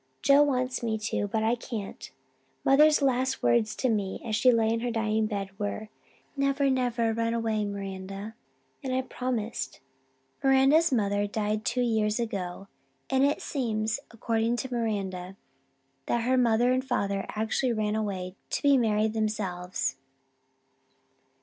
"'Joe wants me to but I can't. Mother's last words to me, as she lay on her dying bed, were, "Never, never run away, Miranda," and I promised.' "Miranda's mother died two years ago, and it seems, according to Miranda, that her mother and father actually ran away to be married themselves.